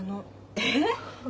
えっ？